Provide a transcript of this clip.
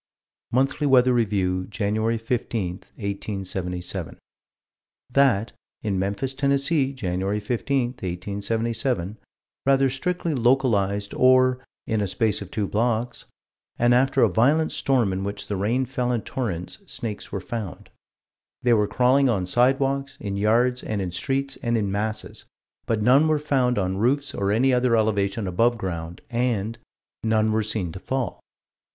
Monthly Weather Review, Jan. 15, 1877: That, in Memphis, Tenn., Jan. 15, 1877, rather strictly localized, or "in a space of two blocks," and after a violent storm in which the rain "fell in torrents," snakes were found. They were crawling on sidewalks, in yards, and in streets, and in masses but "none were found on roofs or any other elevation above ground" and "none were seen to fall."